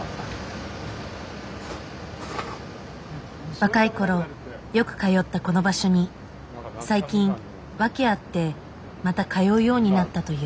若い頃よく通ったこの場所に最近訳あってまた通うようになったという。